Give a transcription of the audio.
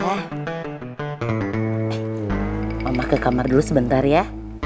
eh mama ke kamar dulu sebentar ya